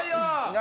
何？